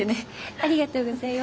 ありがとうございます。